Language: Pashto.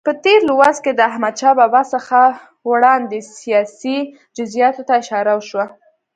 په تېر لوست کې د احمدشاه بابا څخه وړاندې سیاسي جزئیاتو ته اشاره وشوه.